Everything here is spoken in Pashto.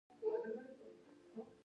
پخوانیو ادبیاتو توندۍ برخې راواخیستې